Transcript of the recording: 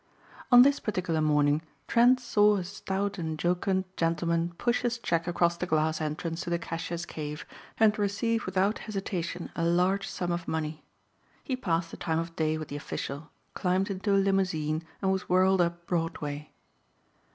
On this particular morning Trent saw a stout and jocund gentleman push his check across the glass entrance to the cashier's cave and received without hesitation a large sum of money. He passed the time of day with the official, climbed into a limousine and was whirled up Broadway.